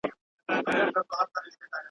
تندي ته مي سجدې راځي چي یاد کړمه جانان.